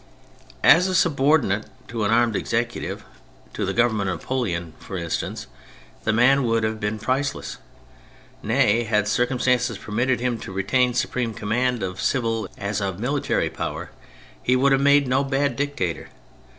As a subordinate to an armed executive, to the Government of Napoleon, for instance, the man would have been priceless. Nay, had circumstances permitted him to retain supreme command of civil as of military power, he would have made no bad dictator.